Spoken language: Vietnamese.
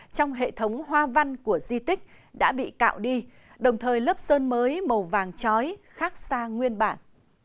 trong hệ thống hoa văn của di tích đã bị cạo đi đồng thời lớp sơn mới màu vàng trói khác xa nguyên bản